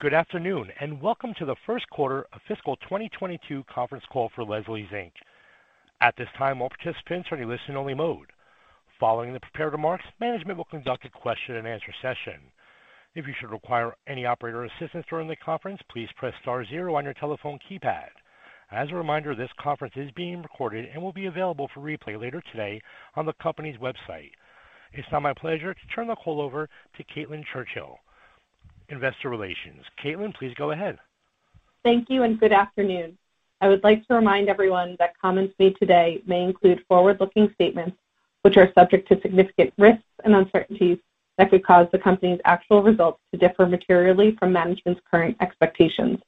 Good afternoon, and welcome to the First Quarter of Fiscal 2022 Conference Call for Leslie's Inc. At this time, all participants are in a listen-only mode. Following the prepared remarks, management will conduct a question-and-answer session. If you should require any operator assistance during the conference, please press star zero on your telephone keypad. As a reminder, this conference is being recorded and will be available for replay later today on the company's website. It's now my pleasure to turn the call over to Caitlin Churchill, Investor Relations. Caitlin, please go ahead. Thank you and good afternoon. I would like to remind everyone that comments made today may include forward-looking statements, which are subject to significant risks and uncertainties that could cause the company's actual results to differ materially from management's current expectations.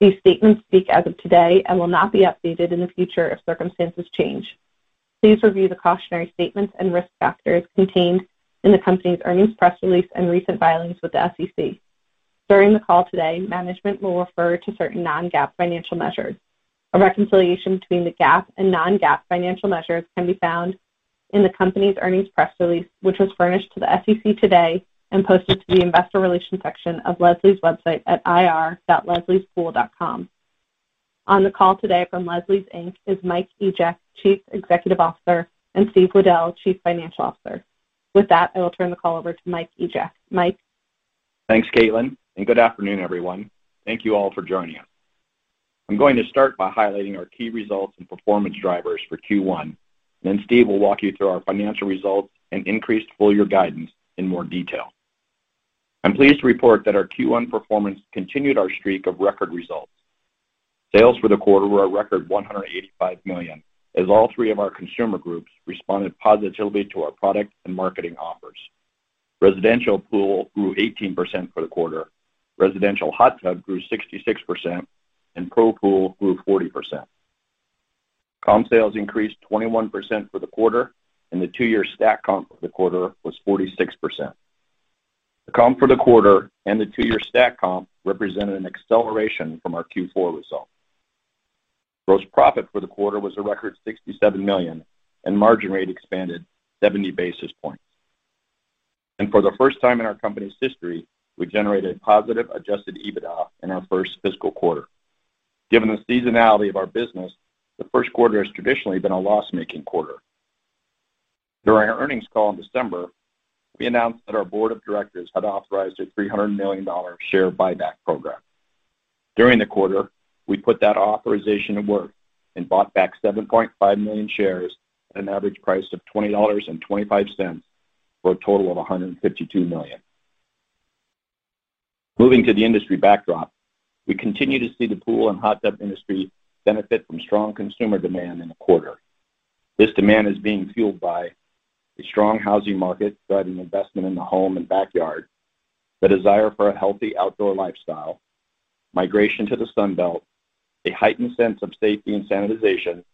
These statements speak as of today and will not be updated in the future if circumstances change. Please review the cautionary statements and risk factors contained in the company's earnings press release and recent filings with the SEC. During the call today, management will refer to certain non-GAAP financial measures. A reconciliation between the GAAP and non-GAAP financial measures can be found in the company's earnings press release, which was furnished to the SEC today and posted to the investor relations section of Leslie's website at ir.lesliespool.com. On the call today from Leslie's, Inc. is Mike Egeck, Chief Executive Officer, and Steve Weddell, Chief Financial Officer. With that, I will turn the call over to Mike Egeck. Mike? Thanks, Caitlin, and good afternoon, everyone. Thank you all for joining us. I'm going to start by highlighting our key results and performance drivers for Q1. Then Steve will walk you through our financial results and increased full-year guidance in more detail. I'm pleased to report that our Q1 performance continued our streak of record results. Sales for the quarter were a record $185 million, as all three of our consumer groups responded positively to our product and marketing offers. Residential pool grew 18% for the quarter, residential hot tub grew 66%, and Pro Pool grew 40%. Comm sales increased 21% for the quarter, and the two-year stack comp for the quarter was 46%. The comp for the quarter and the two-year stack comp represented an acceleration from our Q4 result. Gross profit for the quarter was a record $67 million, and margin rate expanded 70 basis points. For the first time in our company's history, we generated positive Adjusted EBITDA in our first fiscal quarter. Given the seasonality of our business, the first quarter has traditionally been a loss-making quarter. During our earnings call in December, we announced that our board of directors had authorized a $300 million share buyback program. During the quarter, we put that authorization to work and bought back 7.5 million shares at an average price of $20.25 for a total of $152 million. Moving to the industry backdrop, we continue to see the pool and hot tub industry benefit from strong consumer demand in the quarter. This demand is being fueled by the strong housing market driving investment in the home and backyard, the desire for a healthy outdoor lifestyle, migration to the Sun Belt, a heightened sense of safety and sanitization,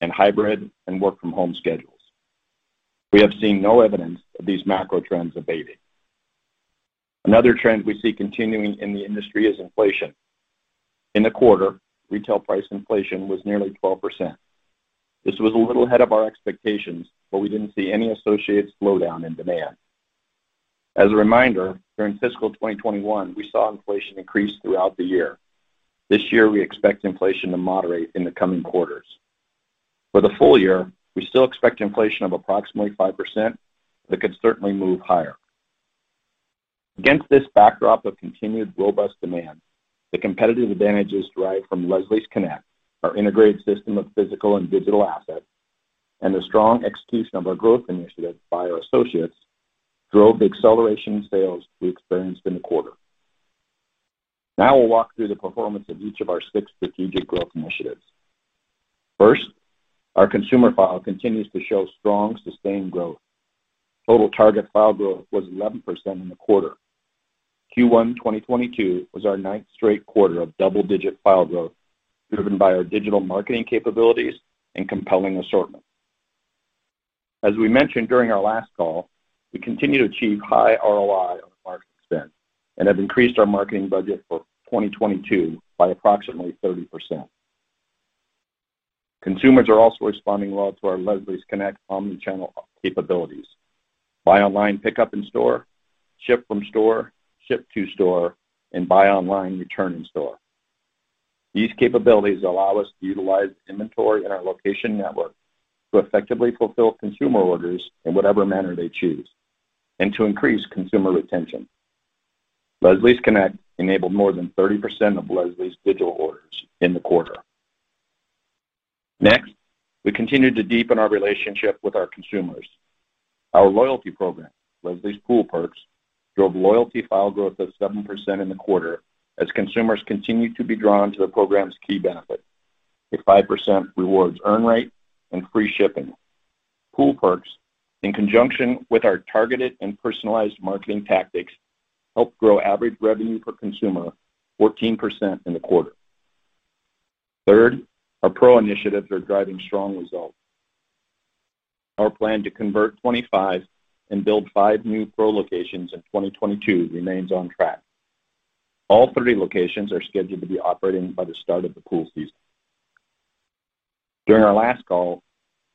and hybrid and work-from-home schedules. We have seen no evidence of these macro trends abating. Another trend we see continuing in the industry is inflation. In the quarter, retail price inflation was nearly 12%. This was a little ahead of our expectations, but we didn't see any associated slowdown in demand. As a reminder, during fiscal 2021, we saw inflation increase throughout the year. This year, we expect inflation to moderate in the coming quarters. For the full year, we still expect inflation of approximately 5%, but could certainly move higher. Against this backdrop of continued robust demand, the competitive advantages derived from Leslie's Connect, our integrated system of physical and digital assets, and the strong execution of our growth initiatives by our associates drove the acceleration in sales we experienced in the quarter. Now we'll walk through the performance of each of our six strategic growth initiatives. First, our consumer file continues to show strong, sustained growth. Total target file growth was 11% in the quarter. Q1 2022 was our ninth straight quarter of double-digit file growth, driven by our digital marketing capabilities and compelling assortment. As we mentioned during our last call, we continue to achieve high ROI on our marketing spend and have increased our marketing budget for 2022 by approximately 30%. Consumers are also responding well to our Leslie's Connect omnichannel capabilities. Buy online, pickup in store, ship from store, ship to store, and buy online, return in store. These capabilities allow us to utilize inventory in our location network to effectively fulfill consumer orders in whatever manner they choose and to increase consumer retention. Leslie's Connect enabled more than 30% of Leslie's digital orders in the quarter. Next, we continued to deepen our relationship with our consumers. Our loyalty program, Leslie's Pool Perks, drove loyalty file growth of 7% in the quarter as consumers continued to be drawn to the program's key benefit, a 5% rewards earn rate and free shipping. Pool Perks, in conjunction with our targeted and personalized marketing tactics, helped grow average revenue per consumer 14% in the quarter. Third, our Pro initiatives are driving strong results. Our plan to convert 25 and build five new Pro locations in 2022 remains on track. All 30 locations are scheduled to be operating by the start of the pool season. During our last call,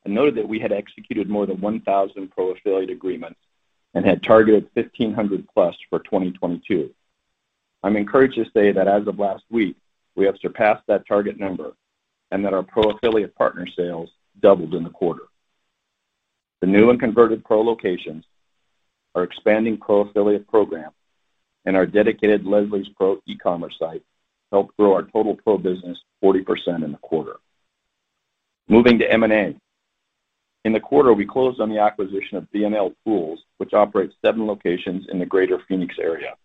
I noted that we had executed more than 1,000 Pro affiliate agreements and had targeted 1,500+ for 2022. I'm encouraged to say that as of last week, we have surpassed that target number and that our Pro affiliate partner sales doubled in the quarter. The new and converted Pro locations, our expanding Pro affiliate program, and our dedicated Leslie's Pro e-commerce site helped grow our total Pro business 40% in the quarter. Moving to M&A. In the quarter, we closed on the acquisition of B&L Pools, which operates seven locations in the greater Phoenix area.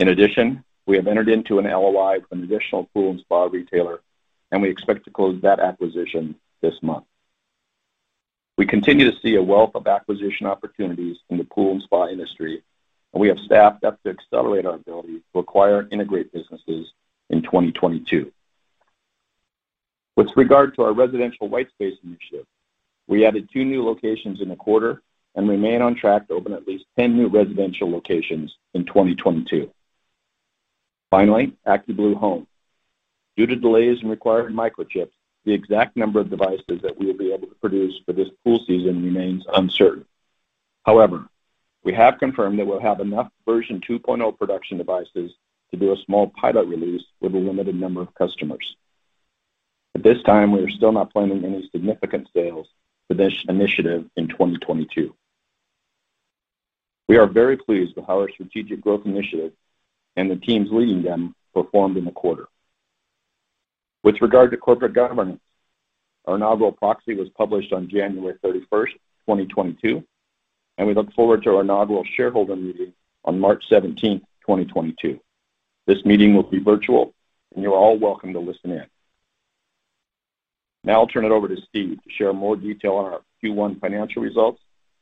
In addition, we have entered into an LOI for an additional pool and spa retailer, and we expect to close that acquisition this month. We continue to see a wealth of acquisition opportunities in the pool and spa industry, and we have staff up to accelerate our ability to acquire and integrate businesses in 2022. With regard to our residential white space initiative, we added two new locations in the quarter and remain on track to open at least 10 new residential locations in 2022. Finally, AccuBlue Home. Due to delays in acquiring microchips, the exact number of devices that we will be able to produce for this pool season remains uncertain. However, we have confirmed that we'll have enough version 2.0 production devices to do a small pilot release with a limited number of customers. At this time, we are still not planning any significant sales for this initiative in 2022. We are very pleased with how our strategic growth initiatives and the teams leading them performed in the quarter. With regard to corporate governance, our inaugural proxy was published on January 31st, 2022, and we look forward to our inaugural shareholder meeting on March 17th, 2022. This meeting will be virtual, and you're all welcome to listen in. Now I'll turn it over to Steve to share more detail on our Q1 financial results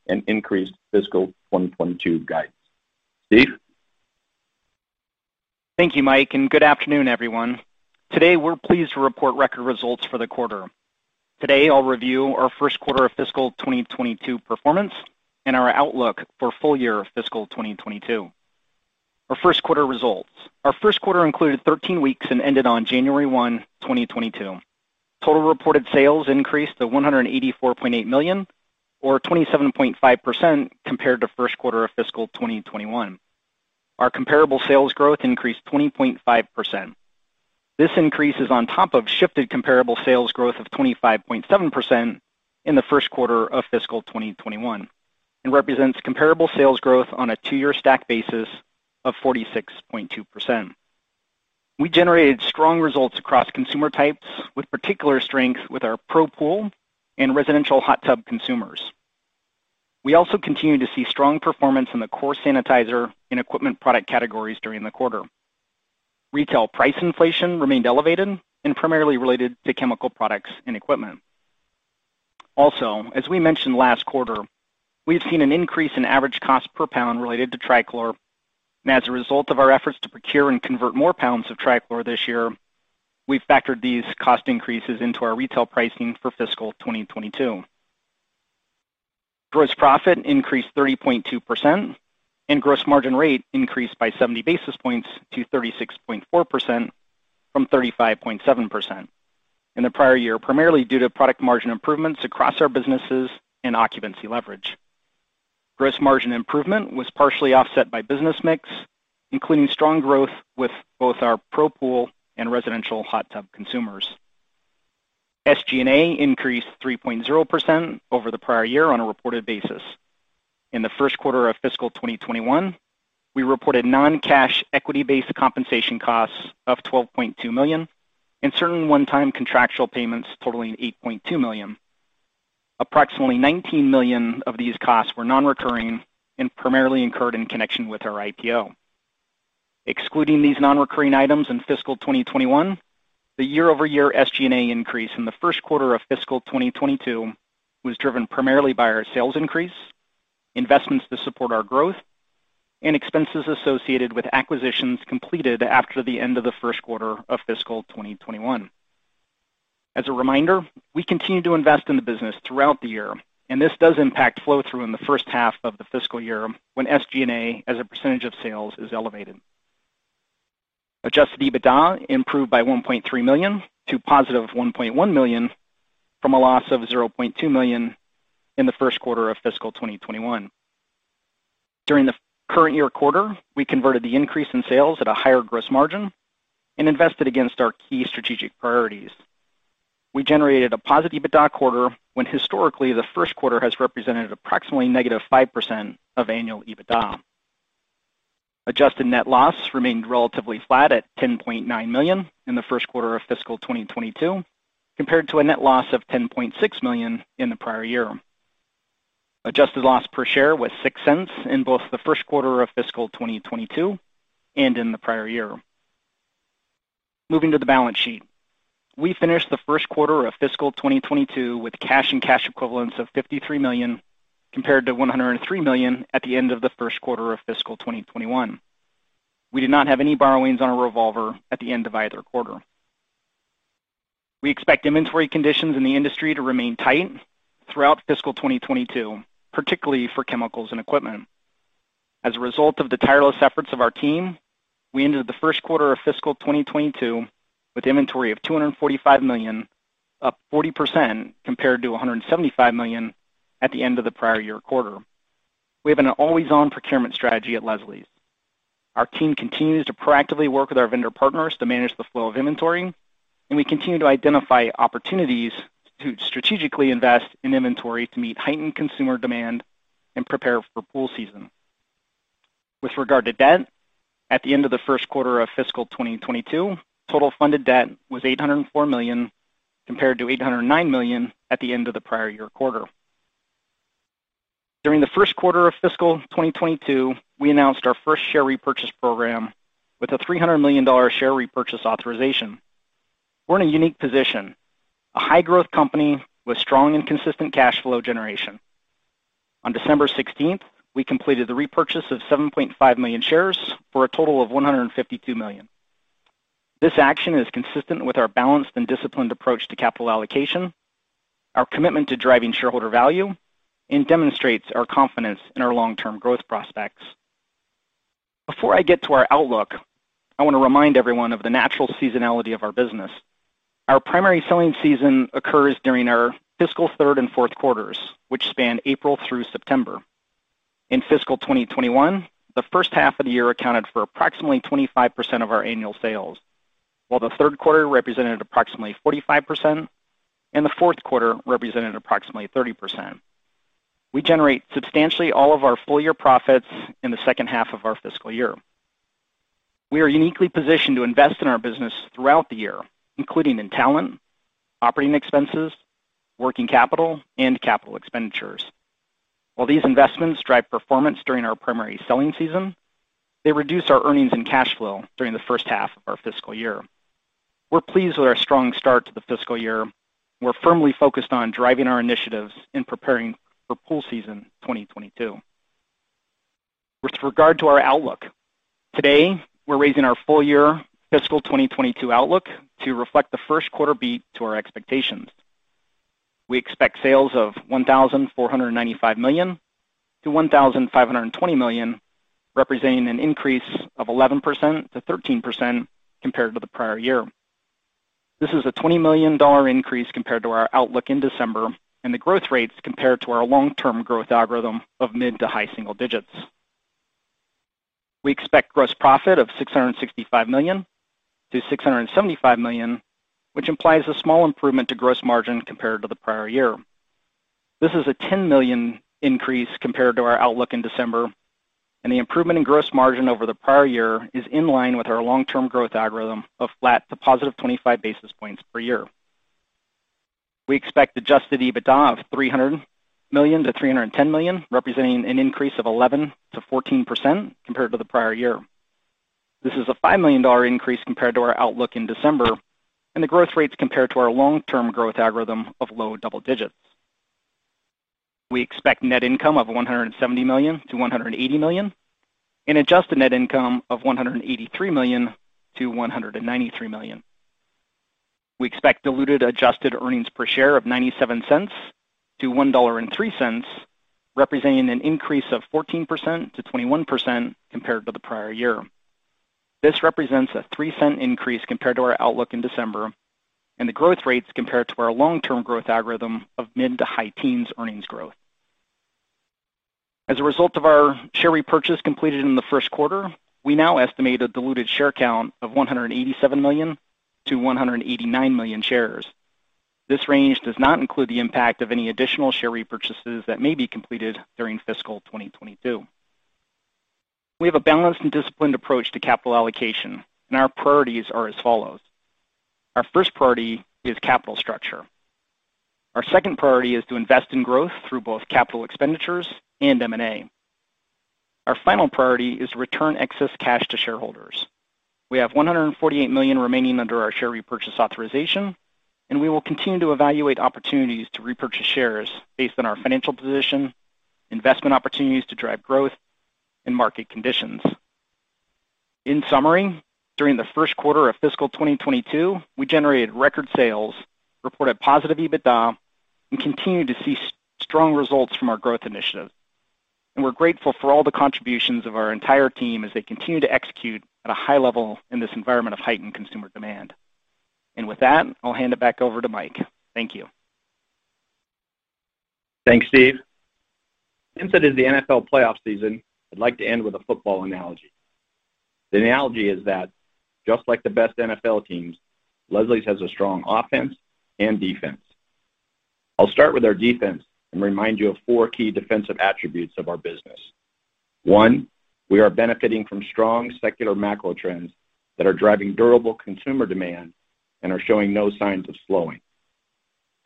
and increased fiscal 2022 guidance. Steve? Thank you, Mike, and good afternoon, everyone. Today, we're pleased to report record results for the quarter. Today, I'll review our first quarter of fiscal 2022 performance and our outlook for full year fiscal 2022. Our first quarter results. Our first quarter included 13 weeks and ended on January 1, 2022. Total reported sales increased to $184.8 million or 27.5% compared to first quarter of fiscal 2021. Our comparable sales growth increased 20.5%. This increase is on top of shifted comparable sales growth of 25.7% in the first quarter of fiscal 2021 and represents comparable sales growth on a two-year stack basis of 46.2%. We generated strong results across consumer types with particular strength with our Pro Pool and residential hot tub consumers. We also continued to see strong performance in the core sanitizer and equipment product categories during the quarter. Retail price inflation remained elevated and primarily related to chemical products and equipment. Also, as we mentioned last quarter, we've seen an increase in average cost per pound related to Trichlor, and as a result of our efforts to procure and convert more pounds of Trichlor this year, we've factored these cost increases into our retail pricing for fiscal 2022. Gross profit increased 30.2% and gross margin rate increased by 70 basis points to 36.4% from 35.7% in the prior year, primarily due to product margin improvements across our businesses and occupancy leverage. Gross margin improvement was partially offset by business mix, including strong growth with both our Pro Pool and residential hot tub consumers. SG&A increased 3.0% over the prior year on a reported basis. In the first quarter of fiscal 2021, we reported non-cash equity-based compensation costs of $12.2 million and certain one-time contractual payments totaling $8.2 million. Approximately $19 million of these costs were non-recurring and primarily incurred in connection with our IPO. Excluding these non-recurring items in fiscal 2021, the year-over-year SG&A increase in the first quarter of fiscal 2022 was driven primarily by our sales increase, investments to support our growth, and expenses associated with acquisitions completed after the end of the first quarter of fiscal 2021. As a reminder, we continue to invest in the business throughout the year, and this does impact flow-through in the first half of the fiscal year when SG&A as a percentage of sales is elevated. Adjusted EBITDA improved by $1.3 million to $1.1 million from a loss of $0.2 million in the first quarter of fiscal 2021. During the current year quarter, we converted the increase in sales at a higher gross margin and invested against our key strategic priorities. We generated a positive EBITDA quarter when historically the first quarter has represented approximately -5% of annual EBITDA. Adjusted net loss remained relatively flat at $10.9 million in the first quarter of fiscal 2022 compared to a net loss of $10.6 million in the prior year. Adjusted loss per share was $0.06 in both the first quarter of fiscal 2022 and in the prior year. Moving to the balance sheet. We finished the first quarter of fiscal 2022 with cash and cash equivalents of $53 million compared to $103 million at the end of the first quarter of fiscal 2021. We did not have any borrowings on our revolver at the end of either quarter. We expect inventory conditions in the industry to remain tight throughout fiscal 2022, particularly for chemicals and equipment. As a result of the tireless efforts of our team, we ended the first quarter of fiscal 2022 with inventory of $245 million, up 40% compared to $175 million at the end of the prior year quarter. We have an always-on procurement strategy at Leslie's. Our team continues to proactively work with our vendor partners to manage the flow of inventory, and we continue to identify opportunities to strategically invest in inventory to meet heightened consumer demand and prepare for pool season. With regard to debt, at the end of the first quarter of fiscal 2022, total funded debt was $804 million, compared to $809 million at the end of the prior year quarter. During the first quarter of fiscal 2022, we announced our first share repurchase program with a $300 million share repurchase authorization. We're in a unique position, a high-growth company with strong and consistent cash flow generation. On December sixteenth, we completed the repurchase of 7.5 million shares for a total of $152 million. This action is consistent with our balanced and disciplined approach to capital allocation, our commitment to driving shareholder value, and demonstrates our confidence in our long-term growth prospects. Before I get to our outlook, I want to remind everyone of the natural seasonality of our business. Our primary selling season occurs during our fiscal third and fourth quarters, which span April through September. In fiscal 2021, the first half of the year accounted for approximately 25% of our annual sales, while the third quarter represented approximately 45% and the fourth quarter represented approximately 30%. We generate substantially all of our full year profits in the second half of our fiscal year. We are uniquely positioned to invest in our business throughout the year, including in talent, operating expenses, working capital, and capital expenditures. While these investments drive performance during our primary selling season, they reduce our earnings and cash flow during the first half of our fiscal year. We're pleased with our strong start to the fiscal year. We're firmly focused on driving our initiatives and preparing for pool season 2022. With regard to our outlook, today we're raising our full-year fiscal 2022 outlook to reflect the first quarter beat to our expectations. We expect sales of $1,495 million-$1,520 million, representing an increase of 11%-13% compared to the prior year. This is a $20 million increase compared to our outlook in December and the growth rates compared to our long-term growth algorithm of mid- to high-single digits. We expect gross profit of $665 million-$675 million, which implies a small improvement to gross margin compared to the prior year. This is a $10 million increase compared to our outlook in December, and the improvement in gross margin over the prior year is in line with our long term growth algorithm of flat to positive 25 basis points per year. We expect Adjusted EBITDA of $300 million-$310 million, representing an increase of 11%-14% compared to the prior year. This is a $5 million increase compared to our outlook in December and the growth rates compared to our long term growth algorithm of low double digits. We expect net income of $170 million-$180 million, and adjusted net income of $183 million-$193 million. We expect diluted adjusted earnings per share of $0.97-$1.03, representing an increase of 14%-21% compared to the prior year. This represents a $0.03 Increase compared to our outlook in December and the growth rates compared to our long-term growth algorithm of mid- to high-teens earnings growth. As a result of our share repurchase completed in the first quarter, we now estimate a diluted share count of 187 million-189 million shares. This range does not include the impact of any additional share repurchases that may be completed during fiscal 2022. We have a balanced and disciplined approach to capital allocation, and our priorities are as follows. Our first priority is capital structure. Our second priority is to invest in growth through both capital expenditures and M&A. Our final priority is return excess cash to shareholders. We have $148 million remaining under our share repurchase authorization, and we will continue to evaluate opportunities to repurchase shares based on our financial position, investment opportunities to drive growth, and market conditions. In summary, during the first quarter of fiscal 2022, we generated record sales, reported positive EBITDA, and continued to see strong results from our growth initiatives. We're grateful for all the contributions of our entire team as they continue to execute at a high level in this environment of heightened consumer demand. With that, I'll hand it back over to Mike. Thank you. Thanks, Steve. Since it is the NFL playoff season, I'd like to end with a football analogy. The analogy is that just like the best NFL teams, Leslie's has a strong offense and defense. I'll start with our defense and remind you of four key defensive attributes of our business. One, we are benefiting from strong secular macro trends that are driving durable consumer demand and are showing no signs of slowing.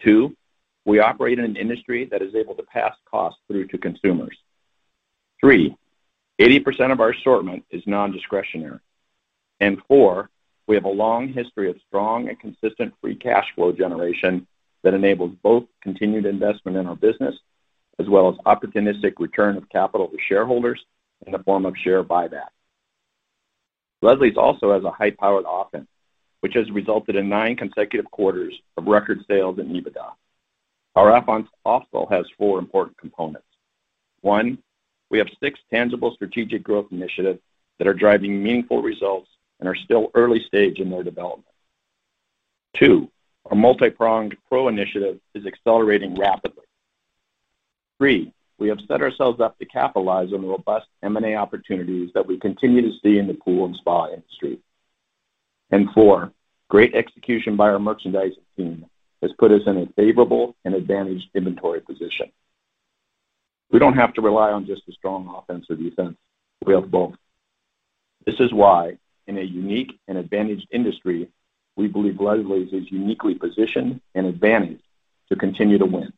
Two, we operate in an industry that is able to pass costs through to consumers. Three, 80% of our assortment is non-discretionary. Four, we have a long history of strong and consistent free cash flow generation that enables both continued investment in our business as well as opportunistic return of capital to shareholders in the form of share buybacks. Leslie's also has a high-powered offense, which has resulted in nine consecutive quarters of record sales and EBITDA. Our offense also has four important components. One, we have six tangible strategic growth initiatives that are driving meaningful results and are still early stage in their development. Two, our multi-pronged Pro initiative is accelerating rapidly. Three, we have set ourselves up to capitalize on the robust M&A opportunities that we continue to see in the pool and spa industry. Four, great execution by our merchandising team has put us in a favorable and advantaged inventory position. We don't have to rely on just a strong offense or defense. We have both. This is why, in a unique and advantaged industry, we believe Leslie's is uniquely positioned and advantaged to continue to win.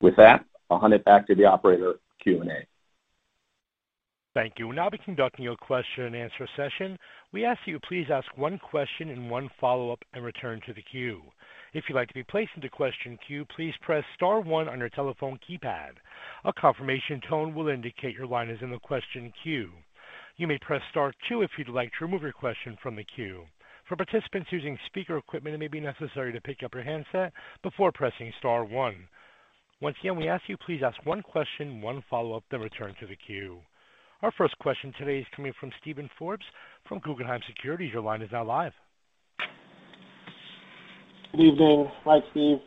With that, I'll hand it back to the operator for Q&A. Thank you. We'll now be conducting your question and answer session. We ask you please ask one question and one follow-up, and return to the queue. If you'd like to be placed into the question queue, please press star one on your telephone keypad. A confirmation tone will indicate your line is in the question queue. You may press star two if you'd like to remove your question from the queue. For participants using speaker equipment, it may be necessary to pick up your handset before pressing star one. Once again, we ask you please ask one question, one follow-up, then return to the queue. Our first question today is coming from Steven Forbes from Guggenheim Securities. Your line is now live. Good evening. Mike, Steve.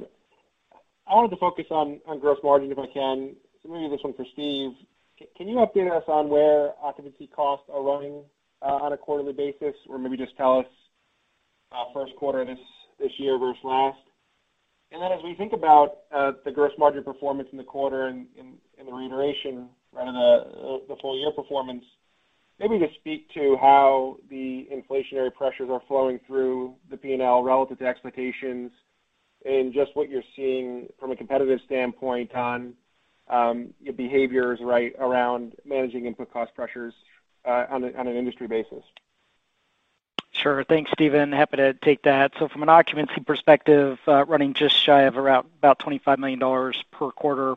I wanted to focus on gross margin, if I can. Maybe this one for Steve. Can you update us on where occupancy costs are running on a quarterly basis? Or maybe just tell us first quarter this year versus last. Then as we think about the gross margin performance in the quarter and the reiteration around the full year performance, maybe just speak to how the inflationary pressures are flowing through the P&L relative to expectations and just what you're seeing from a competitive standpoint on behaviors right around managing input cost pressures on an industry basis. Sure. Thanks, Steven. Happy to take that. From an occupancy perspective, running just shy of around about $25 million per quarter,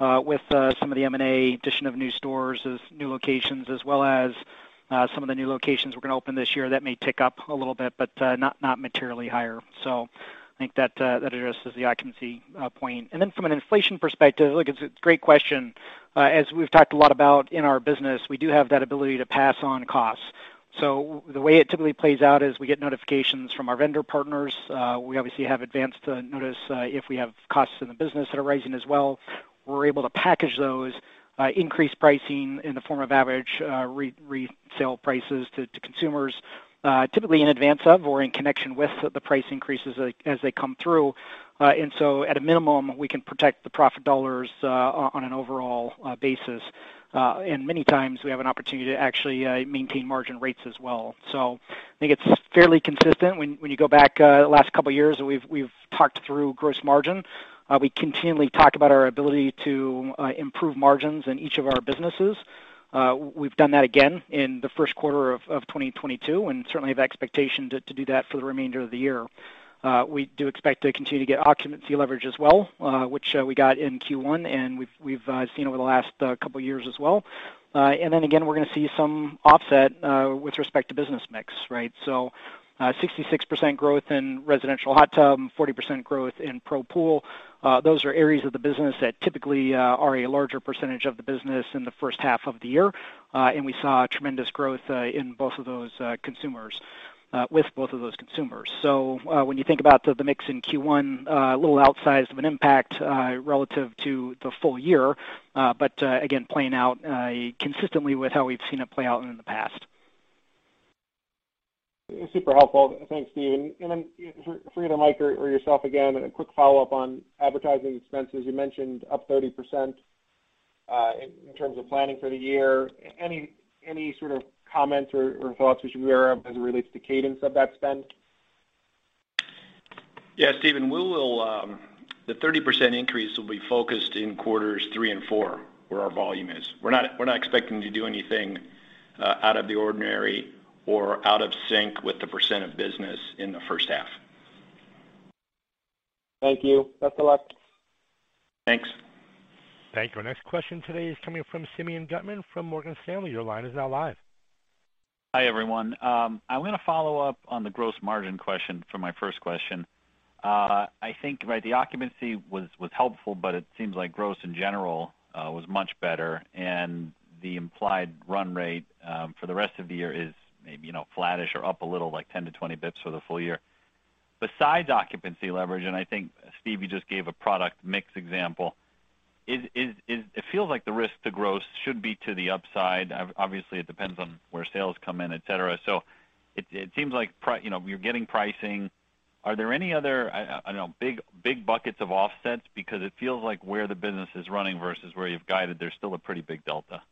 with some of the M&A addition of new stores as new locations, as well as some of the new locations we're gonna open this year. That may tick up a little bit, but not materially higher. I think that addresses the occupancy point. Then from an inflation perspective, look, it's a great question. As we've talked a lot about in our business, we do have that ability to pass on costs. The way it typically plays out is we get notifications from our vendor partners. We obviously have advanced notice if we have costs in the business that are rising as well. We're able to package those, increase pricing in the form of average, resale prices to consumers, typically in advance of or in connection with the price increases as they come through. At a minimum, we can protect the profit dollars on an overall basis. Many times, we have an opportunity to actually maintain margin rates as well. I think it's fairly consistent when you go back the last couple of years that we've talked through gross margin. We continually talk about our ability to improve margins in each of our businesses. We've done that again in the first quarter of 2022, and certainly have expectation to do that for the remainder of the year. We do expect to continue to get occupancy leverage as well, which we got in Q1, and we've seen over the last couple of years as well. Then again, we're gonna see some offset with respect to business mix, right? 66% growth in residential hot tub, 40% growth in Pro Pool. Those are areas of the business that typically are a larger percentage of the business in the first half of the year. We saw tremendous growth in both of those consumers with both of those consumers. When you think about the mix in Q1, a little outsized of an impact relative to the full year, but again, playing out consistently with how we've seen it play out in the past. Super helpful. Thanks, Steve. For either Mike or yourself, again, a quick follow-up on advertising expenses. You mentioned up 30%, in terms of planning for the year. Any sort of comments or thoughts we should be aware of as it relates to cadence of that spend? Yeah, Steven, we will. The 30% increase will be focused in quarters three and four, where our volume is. We're not expecting to do anything out of the ordinary or out of sync with the percent of business in the first half. Thank you. Best of luck. Thanks. Thank you. Our next question today is coming from Simeon Gutman from Morgan Stanley. Your line is now live. Hi, everyone. I'm gonna follow up on the gross margin question for my first question. I think, right, the occupancy was helpful, but it seems like gross in general was much better, and the implied run rate for the rest of the year is maybe, you know, flattish or up a little, like 10-20 basis points for the full year. Besides occupancy leverage, and I think, Steve, you just gave a product mix example. It feels like the risk to gross should be to the upside. Obviously, it depends on where sales come in, et cetera. So it seems like you know, you're getting pricing. Are there any other, I don't know, big buckets of offsets? Because it feels like where the business is running versus where you've guided, there's still a pretty big delta.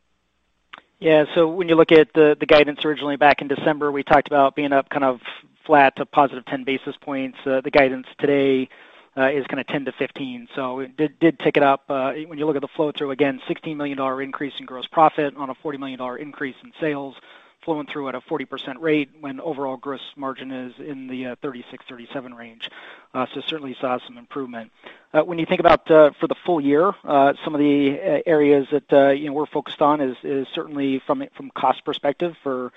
Yeah. When you look at the guidance originally back in December, we talked about being up kind of flat to positive 10 basis points. The guidance today is kind of 10-15. It did tick it up. When you look at the flow-through, again, $16 million increase in gross profit on a $40 million increase in sales flowing through at a 40% rate when overall gross margin is in the 36-37 range. Certainly saw some improvement. When you think about for the full year, some of the areas that we're focused on is certainly from cost perspective for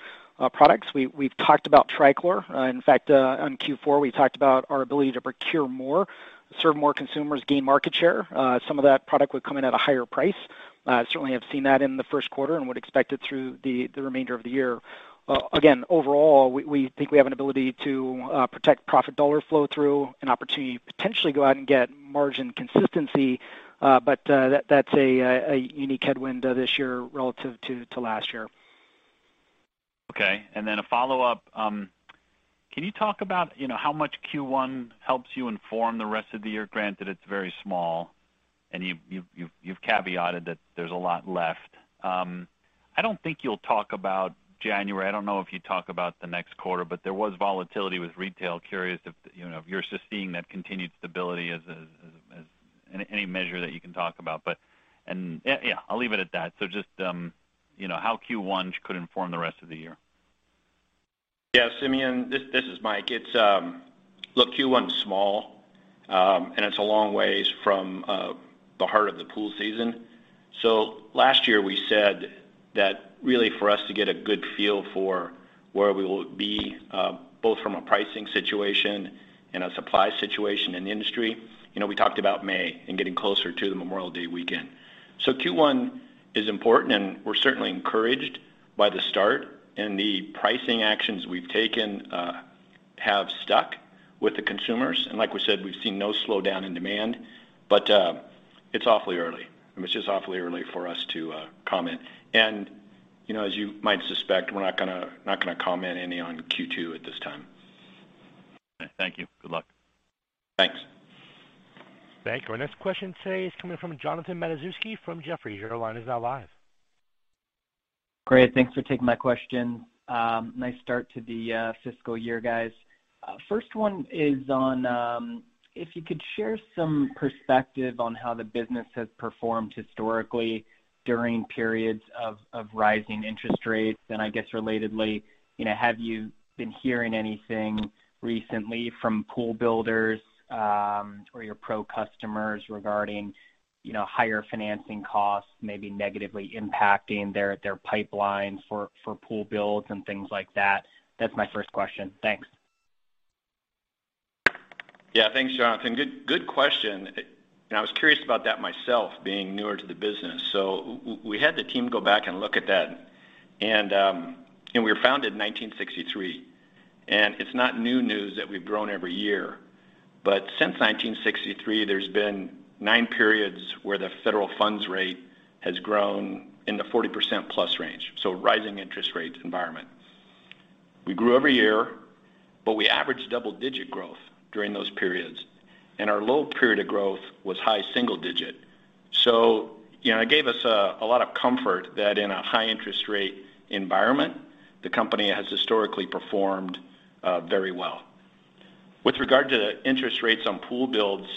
products. We've talked about Trichlor. In fact, on Q4, we talked about our ability to procure more, serve more consumers, gain market share. Some of that product would come in at a higher price. We certainly have seen that in the first quarter and would expect it through the remainder of the year. Again, overall, we think we have an ability to protect profit dollar flow-through, an opportunity to potentially go out and get margin consistency, but that's a unique headwind this year relative to last year. Okay. A follow-up. Can you talk about, you know, how much Q1 helps you inform the rest of the year, granted it's very small, and you've caveated that there's a lot left? I don't think you'll talk about January. I don't know if you'd talk about the next quarter, but there was volatility with retail. Curious if, you know, if you're still seeing that continued stability as any measure that you can talk about. Yeah, I'll leave it at that. Just, you know, how Q1 could inform the rest of the year. Yeah, Simeon, this is Mike. It's. Look, Q1's small, and it's a long ways from the heart of the pool season. Last year we said that really for us to get a good feel for where we will be, both from a pricing situation and a supply situation in the industry, you know, we talked about May and getting closer to the Memorial Day weekend. Q1 is important, and we're certainly encouraged by the start, and the pricing actions we've taken have stuck with the consumers. Like we said, we've seen no slowdown in demand, but it's awfully early. I mean, it's just awfully early for us to comment. You know, as you might suspect, we're not gonna comment any on Q2 at this time. Okay. Thank you. Good luck. Thanks. Thank you. Our next question today is coming from Jonathan Matuszewski from Jefferies. Your line is now live. Great. Thanks for taking my question. Nice start to the fiscal year, guys. First one is on if you could share some perspective on how the business has performed historically during periods of rising interest rates. I guess relatedly, you know, have you been hearing anything recently from pool builders or your Pro customers regarding, you know, higher financing costs maybe negatively impacting their pipeline for pool builds and things like that? That's my first question. Thanks. Yeah. Thanks, Jonathan. Good question. I was curious about that myself, being newer to the business. We had the team go back and look at that. We were founded in 1963. It's not new news that we've grown every year. Since 1963, there's been nine periods where the federal funds rate has grown in the 40% plus range, so rising interest rate environment. We grew every year, but we averaged double-digit growth during those periods, and our low period of growth was high single digit. You know, it gave us a lot of comfort that in a high interest rate environment, the company has historically performed very well. With regard to the interest rates on pool builds,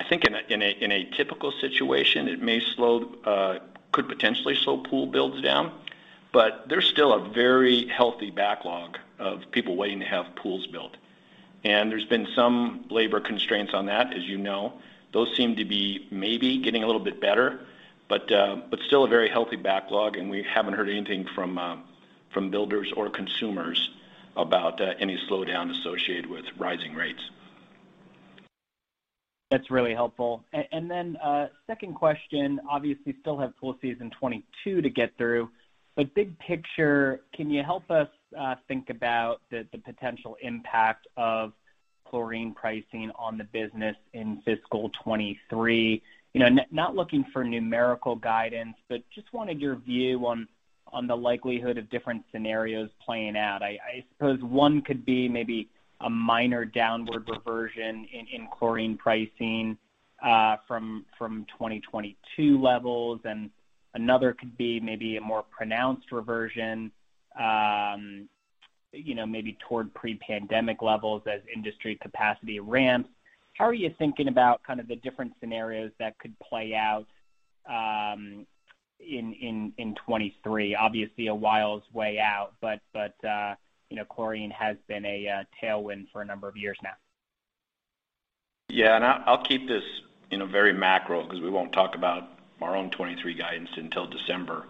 I think in a typical situation, it may slow. Could potentially slow pool builds down. There's still a very healthy backlog of people waiting to have pools built. There's been some labor constraints on that, as you know. Those seem to be maybe getting a little bit better, but still a very healthy backlog, and we haven't heard anything from builders or consumers about any slowdown associated with rising rates. That's really helpful. Second question, obviously still have pool season 2022 to get through. Big picture, can you help us think about the potential impact of chlorine pricing on the business in fiscal 2023? You know, not looking for numerical guidance, but just wanted your view on the likelihood of different scenarios playing out. I suppose one could be maybe a minor downward reversion in chlorine pricing from 2022 levels, and another could be maybe a more pronounced reversion, you know, maybe toward pre-pandemic levels as industry capacity ramps. How are you thinking about kind of the different scenarios that could play out in 2023? Obviously a ways away, but you know, chlorine has been a tailwind for a number of years now. Yeah, I'll keep this, you know, very macro 'cause we won't talk about our own 2023 guidance until December.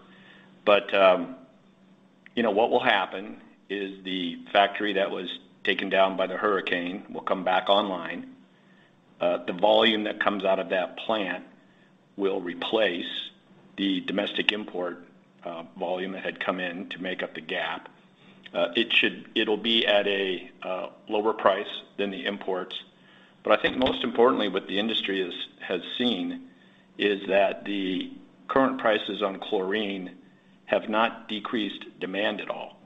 You know, what will happen is the factory that was taken down by the hurricane will come back online. The volume that comes out of that plant will replace the domestic import volume that had come in to make up the gap. It'll be at a lower price than the imports. I think most importantly, what the industry has seen is that the current prices on chlorine have not decreased demand at all.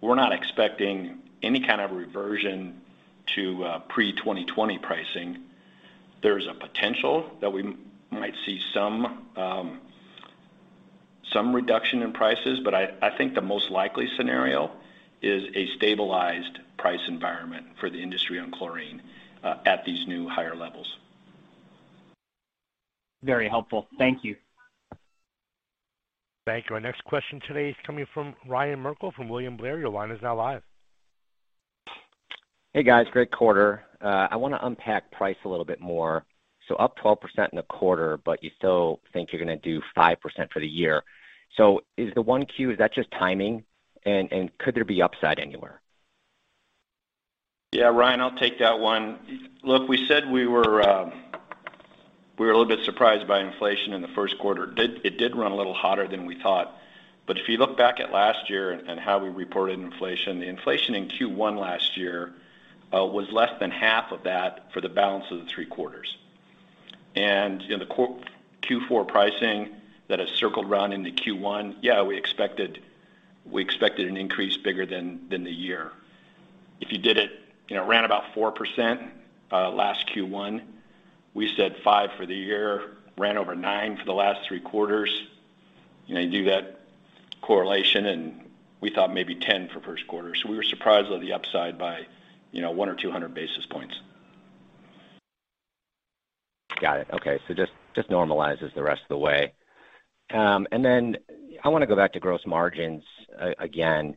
We're not expecting any kind of reversion to pre-2020 pricing. There's a potential that we might see some reduction in prices, but I think the most likely scenario is a stabilized price environment for the industry on chlorine at these new higher levels. Very helpful. Thank you. Thank you. Our next question today is coming from Ryan Merkel from William Blair. Your line is now live. Hey, guys, great quarter. I wanna unpack price a little bit more. Up 12% in the quarter, but you still think you're gonna do 5% for the year. Is the Q1, is that just timing? And could there be upside anywhere? Yeah, Ryan, I'll take that one. Look, we said we were a little bit surprised by inflation in the first quarter. It did run a little hotter than we thought. If you look back at last year and how we reported inflation, the inflation in Q1 last year was less than half of that for the balance of the three quarters. You know, the Q4 pricing that has circled around into Q1, yeah, we expected an increase bigger than the year. If you did it, you know, ran about 4%, last Q1, we said 5% for the year, ran over 9% for the last three quarters. You know, you do that correlation, and we thought maybe 10% for first quarter. We were surprised of the upside by, you know, 100 or 200 basis points. Got it. Okay. Just normalizes the rest of the way. I wanna go back to gross margins again.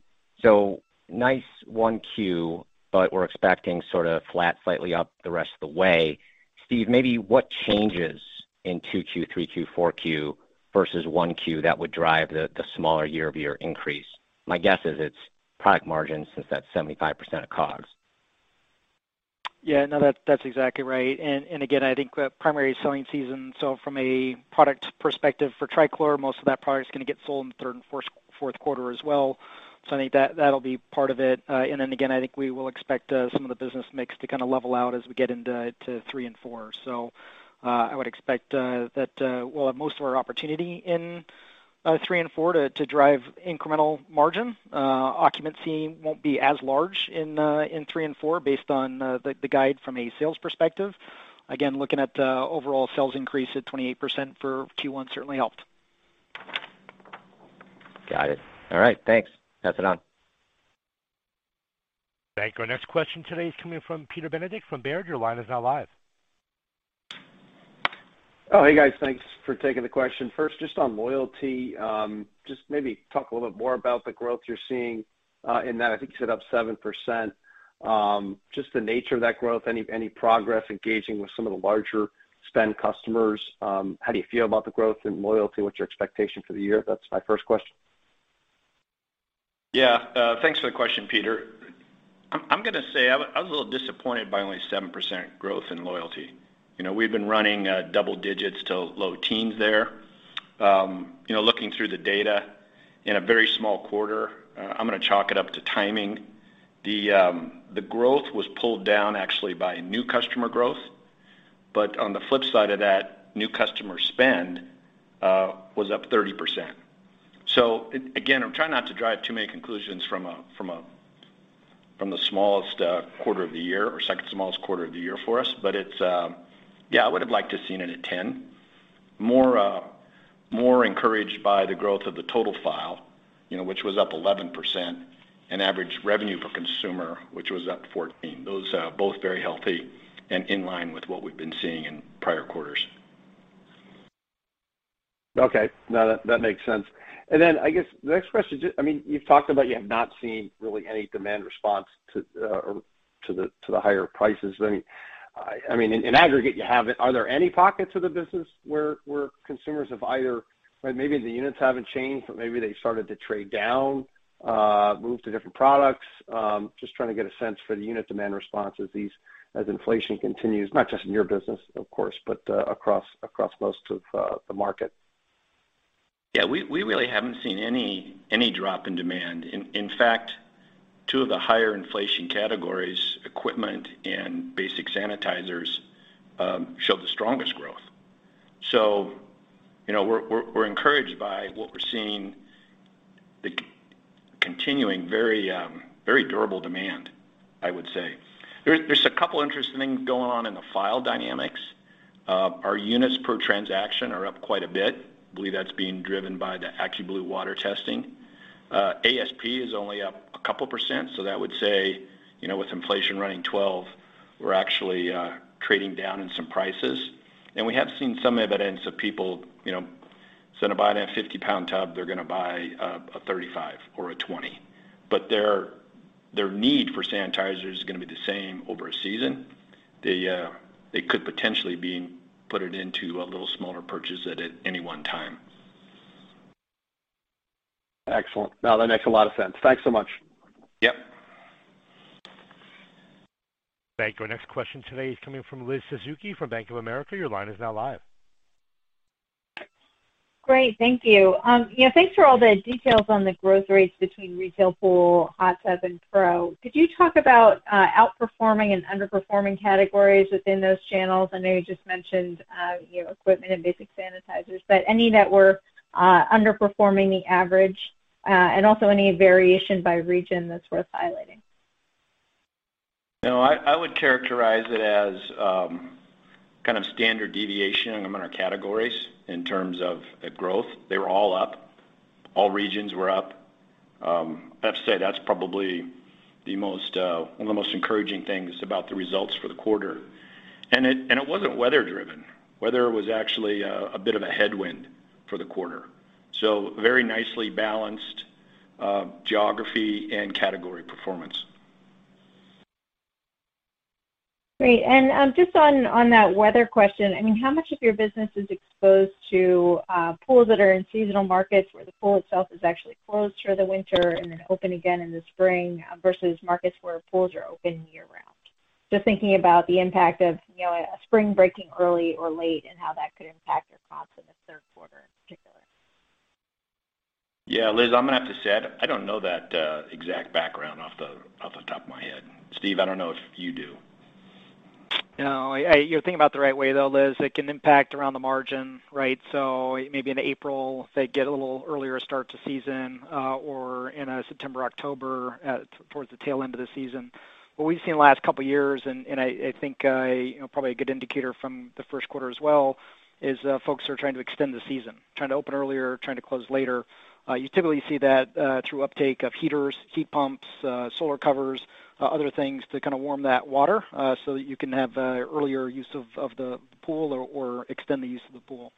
Nice 1Q, but we're expecting sorta flat slightly up the rest of the way. Steve, maybe what changes in 2Q, 3Q, 4Q versus 1Q that would drive the smaller year-over-year increase? My guess is it's product margins since that's 75% of COGS. Yeah, no, that's exactly right. Again, I think the primary selling season from a product perspective for Trichlor, most of that product is gonna get sold in the third and fourth quarter as well. I think that'll be part of it. And then again, I think we will expect some of the business mix to kinda level out as we get into three and four. I would expect that we'll have most of our opportunity in three and four to drive incremental margin. Occupancy won't be as large in three and four based on the guide from a sales perspective. Again, looking at the overall sales increase at 28% for Q1 certainly helped. Got it. All right. Thanks. Pass it on. Thank you. Our next question today is coming from Peter Benedict from Baird. Your line is now live. Oh, hey, guys. Thanks for taking the question. First, just on loyalty, just maybe talk a little bit more about the growth you're seeing in that. I think you said up 7%. Just the nature of that growth, any progress engaging with some of the larger spend customers, how do you feel about the growth in loyalty? What's your expectation for the year? That's my first question. Yeah. Thanks for the question, Peter. I'm gonna say I'm a little disappointed by only 7% growth in loyalty. You know, we've been running double digits to low teens there. You know, looking through the data in a very small quarter, I'm gonna chalk it up to timing. The growth was pulled down actually by new customer growth. But on the flip side of that, new customer spend was up 30%. So again, I'm trying not to drive too many conclusions from the smallest quarter of the year or second smallest quarter of the year for us. But it's. Yeah, I would have liked to seen it at 10. More encouraged by the growth of the total file, you know, which was up 11%, and average revenue per consumer, which was up 14%. Those are both very healthy and in line with what we've been seeing in prior quarters. Okay. No, that makes sense. I guess the next question, I mean, you've talked about you have not seen really any demand response to or to the higher prices. I mean, in aggregate, you have it. Are there any pockets of the business where consumers have either maybe the units haven't changed, but maybe they started to trade down, move to different products. Just trying to get a sense for the unit demand response as these as inflation continues, not just in your business, of course, but across most of the market. Yeah, we really haven't seen any drop in demand. In fact, two of the higher inflation categories, equipment and basic sanitizers, show the strongest growth. You know, we're encouraged by what we're seeing, the continuing very durable demand, I would say. There's a couple interesting things going on in the aisle dynamics. Our units per transaction are up quite a bit. I believe that's being driven by the AccuBlue water testing. ASP is only up a couple%, so that would say, you know, with inflation running 12%, we're actually trading down in some prices. We have seen some evidence of people, you know, instead of buying a 50-pound tub, they're gonna buy a 35 or a 20. Their need for sanitizers is gonna be the same over a season. They could potentially put it into a little smaller purchase at any one time. Excellent. No, that makes a lot of sense. Thanks so much. Yep. Thank you. Our next question today is coming from Liz Suzuki from Bank of America. Your line is now live. Great. Thank you. Yeah, thanks for all the details on the growth rates between retail pool, hot tub, and pro. Could you talk about outperforming and underperforming categories within those channels? I know you just mentioned you know, equipment and basic sanitizers, but any that were underperforming the average, and also any variation by region that's worth highlighting? No, I would characterize it as kind of standard deviation among our categories in terms of the growth. They were all up, all regions were up. I'd have to say that's probably one of the most encouraging things about the results for the quarter. It wasn't weather-driven. Weather was actually a bit of a headwind for the quarter. Very nicely balanced geography and category performance. Great. Just on that weather question, I mean, how much of your business is exposed to pools that are in seasonal markets where the pool itself is actually closed for the winter and then open again in the spring versus markets where pools are open year-round? Just thinking about the impact of, you know, a spring breaking early or late and how that could impact your comps in the third quarter in particular. Yeah, Liz, I'm gonna have to say I don't know that exact background off the top of my head. Steve, I don't know if you do. No. You're thinking about the right way, though, Liz. It can impact around the margin, right? Maybe in April, they get a little earlier start to season, or in September, October, towards the tail end of the season. What we've seen the last couple of years, and I think, you know, probably a good indicator from the first quarter as well, is folks are trying to extend the season, trying to open earlier, trying to close later. You typically see that through uptake of heaters, heat pumps, solar covers, other things to kind of warm that water, so that you can have earlier use of the pool or extend the use of the pool.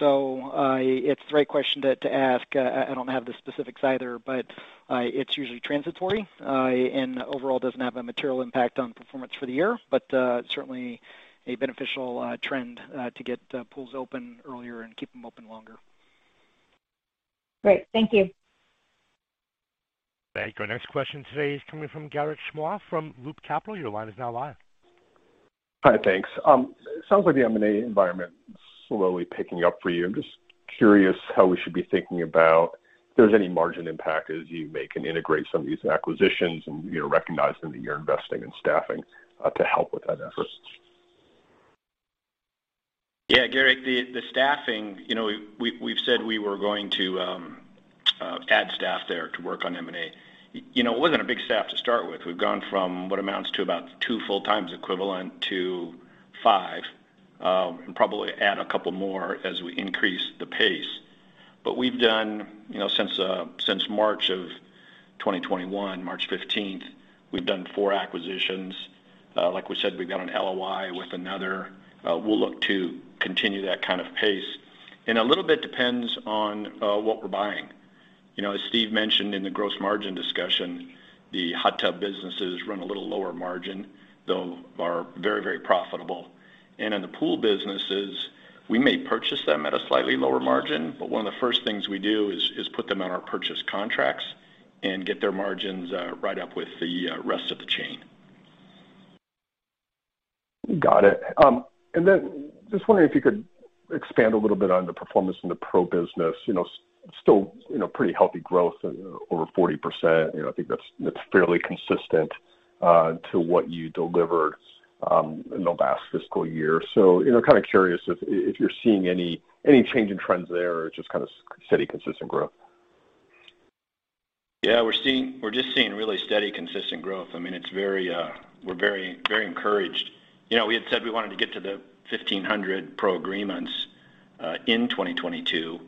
It's the right question to ask. I don't have the specifics either, but it's usually transitory, and overall doesn't have a material impact on performance for the year, but certainly a beneficial trend to get the pools open earlier and keep them open longer. Great. Thank you. Thank you. Our next question today is coming from Garik Shmois from Loop Capital. Your line is now live. Hi, thanks. Sounds like the M&A environment is slowly picking up for you. I'm just curious how we should be thinking about if there's any margin impact as you make and integrate some of these acquisitions and, you know, recognizing that you're investing in staffing to help with that effort. Yeah, Garik, the staffing, you know, we've said we were going to add staff there to work on M&A. You know, it wasn't a big staff to start with. We've gone from what amounts to about two full-time equivalents to five, and probably add a couple more as we increase the pace. We've done, you know, since March 2021, March 15th, we've done four acquisitions. Like we said, we've got an LOI with another. We'll look to continue that kind of pace. A little bit depends on what we're buying. You know, as Steve mentioned in the gross margin discussion, the hot tub businesses run a little lower margin, though are very, very profitable. In the pool businesses, we may purchase them at a slightly lower margin, but one of the first things we do is put them on our purchase contracts and get their margins right up with the rest of the chain. Got it. Just wondering if you could expand a little bit on the performance in the Pro business. You know, still, you know, pretty healthy growth, over 40%. You know, I think that's fairly consistent with what you delivered, you know, last fiscal year. You know, kind of curious if you're seeing any change in trends there or just kind of steady consistent growth. Yeah, we're just seeing really steady consistent growth. I mean, it's very, we're very, very encouraged. You know, we had said we wanted to get to the 1,500 Pro agreements in 2022,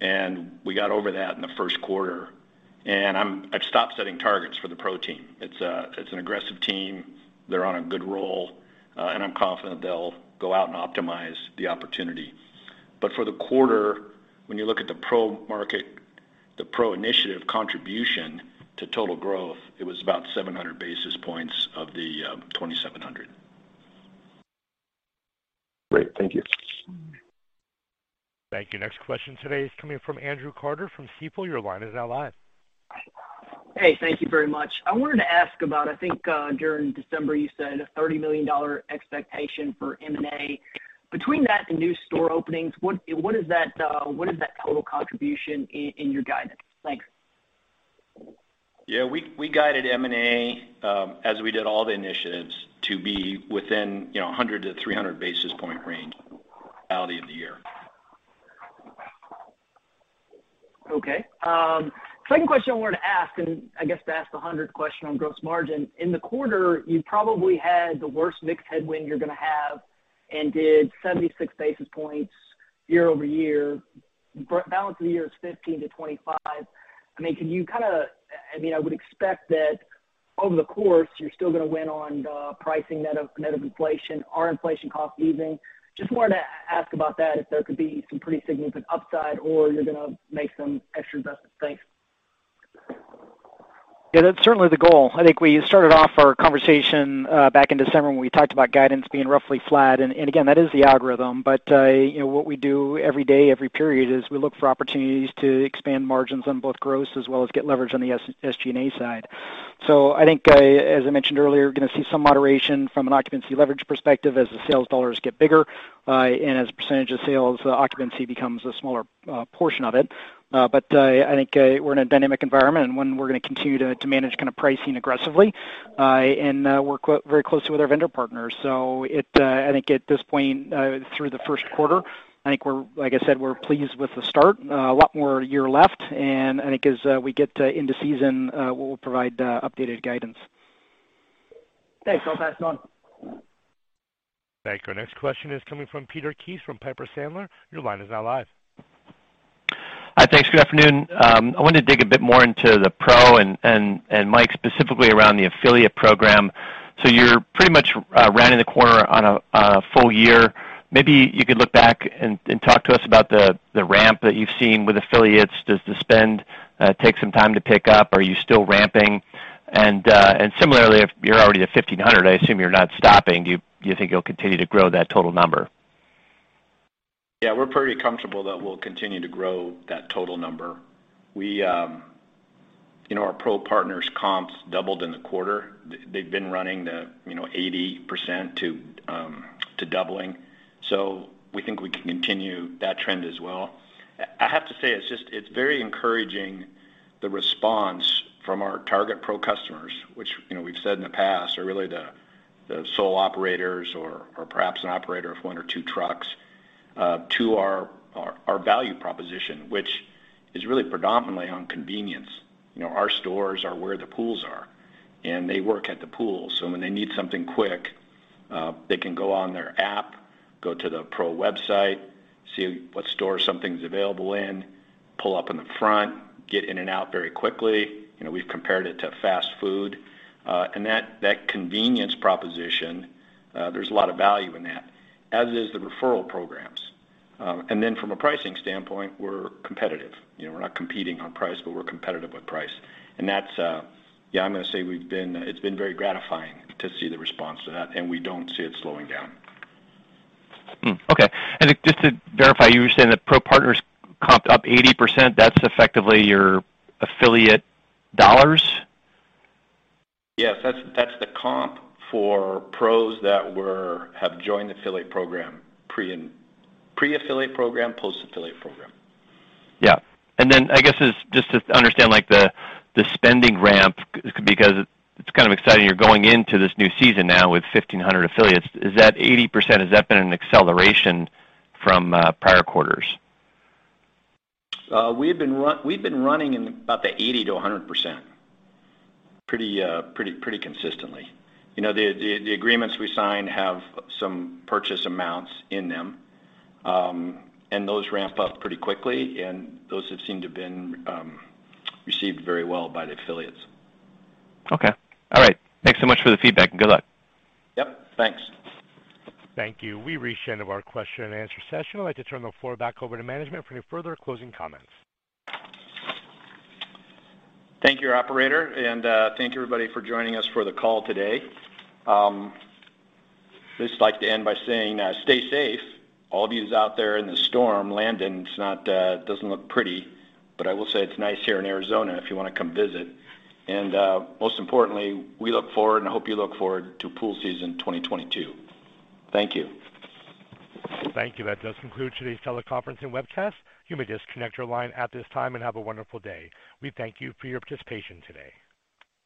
and we got over that in the first quarter. I've stopped setting targets for the Pro team. It's an aggressive team. They're on a good roll, and I'm confident they'll go out and optimize the opportunity. For the quarter, when you look at the Pro market, the Pro initiative contribution to total growth, it was about 700 basis points of the 2,700. Great. Thank you. Thank you. Next question today is coming from Andrew Carter from Stifel. Your line is now live. Hey, thank you very much. I wanted to ask about, I think, during December, you said a $30 million expectation for M&A. Between that and new store openings, what is that total contribution in your guidance? Thanks. We guided M&A as we did all the initiatives to be within, you know, 100-300 basis point range for the entirety of the year. Okay. Second question I wanted to ask, and I guess to ask the hundredth question on gross margin. In the quarter, you probably had the worst mix headwind you're gonna have and did 76 basis points year-over-year. Balance of the year is 15-25. I mean, I would expect that over the course, you're still gonna win on pricing net of inflation. Are inflation costs easing? Just wanted to ask about that if there could be some pretty significant upside or you're gonna make some extra investments. Thanks. Yeah, that's certainly the goal. I think we started off our conversation back in December when we talked about guidance being roughly flat. Again, that is the algorithm. You know, what we do every day, every period is we look for opportunities to expand margins on both gross as well as get leverage on the SG&A side. I think, as I mentioned earlier, we're gonna see some moderation from an occupancy leverage perspective as the sales dollars get bigger, and as a percentage of sales, occupancy becomes a smaller portion of it. I think we're in a dynamic environment, and one we're gonna continue to manage kind of pricing aggressively. And we're very closely with our vendor partners. So, I think at this point, through the first quarter, I think we're, like I said, pleased with the start. A lot more year left, and I think as we get into season, we'll provide updated guidance. Thanks. I'll pass it on. Thank you. Our next question is coming from Peter Keith from Piper Sandler. Your line is now live. Hi. Thanks. Good afternoon. I wanted to dig a bit more into the Pro and Mike, specifically around the affiliate program. You're pretty much rounding the corner on a full year. Maybe you could look back and talk to us about the ramp that you've seen with affiliates. Does the spend take some time to pick up? Are you still ramping? Similarly, if you're already at 1,500, I assume you're not stopping. Do you think you'll continue to grow that total number? Yeah, we're pretty comfortable that we'll continue to grow that total number. We, you know, our Pro Partners comps doubled in the quarter. They've been running, you know, 80% to doubling. We think we can continue that trend as well. I have to say, it's very encouraging, the response from our target Pro customers, which, you know, we've said in the past are really the sole operators or perhaps an operator of one or two trucks to our value proposition, which is really predominantly on convenience. You know, our stores are where the pools are, and they work at the pool. So when they need something quick, they can go on their app, go to the Pro website, see what store something's available in, pull up in the front, get in and out very quickly. You know, we've compared it to fast food. That convenience proposition, there's a lot of value in that, as is the referral programs. From a pricing standpoint, we're competitive. You know, we're not competing on price, but we're competitive with price. That's, yeah, I'm gonna say it's been very gratifying to see the response to that, and we don't see it slowing down. Okay. Just to verify, you were saying that Pro partners comped up 80%. That's effectively your affiliate dollars? Yes. That's the comp for pros that have joined the affiliate program, pre- and post-affiliate program. I guess just to understand, like the spending ramp, because it's kind of exciting you're going into this new season now with 1,500 affiliates. Is that 80%, has that been an acceleration from prior quarters? We've been running in about the 80%-100% pretty consistently. You know, the agreements we sign have some purchase amounts in them, and those ramp up pretty quickly, and those have seemed to have been received very well by the affiliates. Okay. All right. Thanks so much for the feedback, and good luck. Yep. Thanks. Thank you. We've reached the end of our question and answer session. I'd like to turn the floor back over to management for any further closing comments. Thank you, operator, and thank you, everybody, for joining us for the call today. Just like to end by saying, stay safe. All of you who's out there in the Storm Landon, it doesn't look pretty, but I will say it's nice here in Arizona, if you wanna come visit. Most importantly, we look forward and hope you look forward to pool season 2022. Thank you. Thank you. That does conclude today's teleconference and webcast. You may disconnect your line at this time and have a wonderful day. We thank you for your participation today.